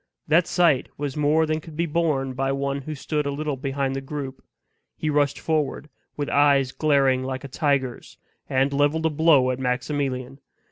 That sight was more than could be borne by one who stood a little behind the group. He rushed forward, with eyes glaring like a tiger's, and leveled a blow at Maximilian.